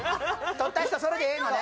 取った人それでええのね？